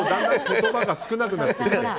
言葉が少なくなって。